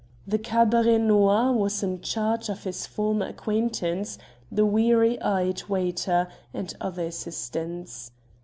The Cabaret Noir was in charge of his former acquaintance, the weary eyed waiter, and other assistants.